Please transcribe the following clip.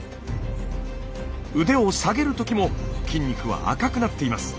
腕を下げるときも筋肉は赤くなっています。